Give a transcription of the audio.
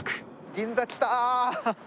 銀座来た！